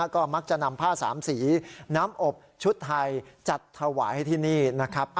ก็มักจะนำผ้าสามสีน้ำอบชุดไทยจัดถวายให้ที่นี่นะครับ